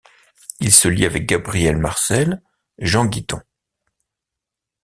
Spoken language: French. Il se lie avec Gabriel Marcel, Jean Guitton.